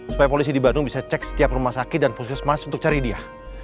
supaya polisi di bandung bisa cek setiap rumah sakit dan puskesmas untuk cari dia